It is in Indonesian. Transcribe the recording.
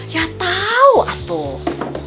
ya tau atuh